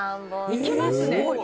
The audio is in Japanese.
いきますね。